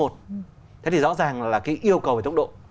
thế thì rõ ràng là cái yêu cầu về tốc độ